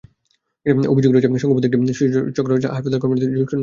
অভিযোগ রয়েছে, সংঘবদ্ধ একটি শিশুচোর চক্র হাসপাতালের কর্মচারীদের যোগসাজশে নবজাতক চুরি করছে।